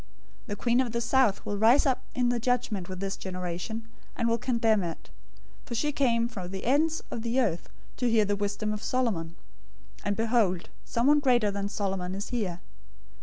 012:042 The queen of the south will rise up in the judgment with this generation, and will condemn it, for she came from the ends of the earth to hear the wisdom of Solomon; and behold, someone greater than Solomon is here.